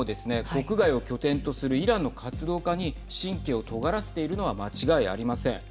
国外を拠点とするイランの活動家に神経をとがらせているのは間違いありません。